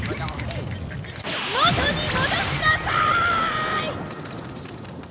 元に戻しなさーい！！